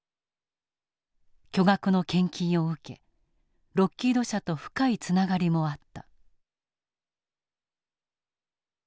巨額の献金を受けロッキード社と深いつながりもあった。